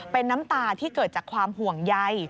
เป็นน้ำตาที่เกิดจากความห่วงใย